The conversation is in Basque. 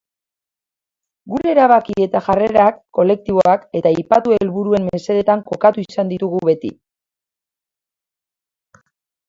Gure erabaki eta jarrerak kolektiboak eta aipatu helburuen mesedetan kokatu izan ditugu beti.